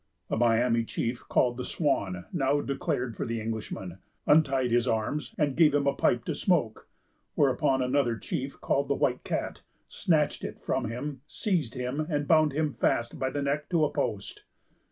A Miami chief, called the Swan, now declared for the Englishman, untied his arms, and gave him a pipe to smoke; whereupon another chief, called the White Cat, snatched it from him, seized him, and bound him fast by the neck to a post.